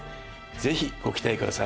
ぜひご期待ください。